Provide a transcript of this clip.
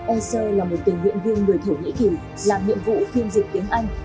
ec là một tình nguyện viên người thổ nhĩ kỳ làm nhiệm vụ phiên dịch tiếng anh